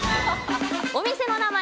お店の名前